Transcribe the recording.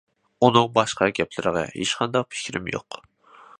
ئۇنىڭ باشقا گەپلىرىگە ھېچقانداق پىكرىم يوق.